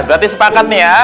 berarti sepakat nih ya